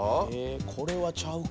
これはちゃうか。